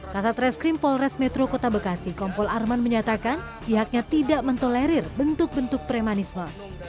kasat reskrim polres metro kota bekasi kompol arman menyatakan pihaknya tidak mentolerir bentuk bentuk premanisme